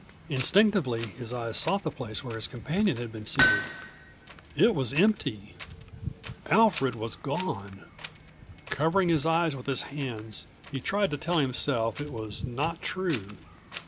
Instinctively his eyes sought the place where his companion had been seated. It was empty. Alfred was gone.202 Covering his eyes with his hands, he tried to tell himself it was not true.